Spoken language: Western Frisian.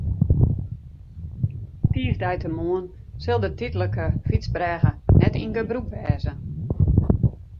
Tiisdeitemoarn sil de tydlike fytsbrêge net yn gebrûk wêze.